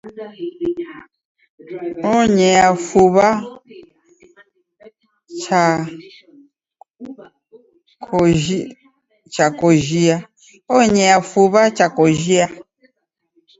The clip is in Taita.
Onyea fuw'a cha kojia.